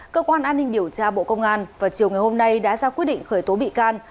cơ quan an ninh điều tra bộ công an vào chiều ngày hôm nay đã ra quyết định khởi tố bị can